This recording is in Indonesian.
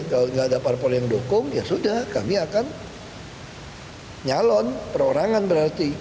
kalau nggak ada parpol yang dukung ya sudah kami akan nyalon perorangan berarti